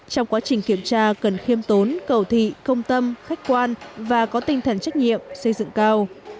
trong quá trình kiểm tra cần khiêm tốn cầu thị công tâm khách quan và có tinh thần trách nhiệm xây dựng cao